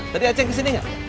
tadi aceh kesini gak